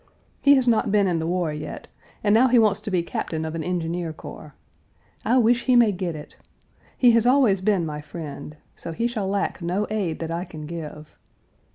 He has not been in the war yet, and now he wants to be captain of an engineer corps. I wish he may get it! He has always been my friend; so he shall lack no aid that I can give.